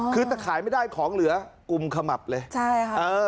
คือถ้าขายไม่ได้ของเหลือกุมขมับเลย